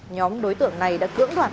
nhóm đối tượng này đã cưỡng đoạt